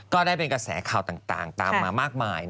ก็ได้เป็นกระแสข่าวต่างตามมามากมาย